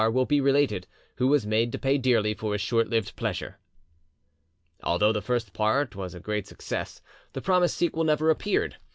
will be related, who was made to pay dearly for his short lived pleasure." Although the first part was a great success, the promised sequel never appeared.